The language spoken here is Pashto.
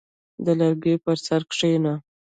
• د لرګي پر سر کښېنه.